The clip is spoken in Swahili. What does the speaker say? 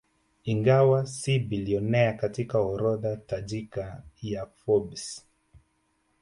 Ingawa si bilionea katika orodha tajika ya Forbes